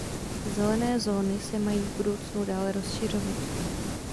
Zelené zóny se mají v budoucnu dále rozšiřovat.